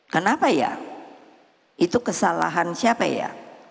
kenapa ya itu kesalahan siapa ya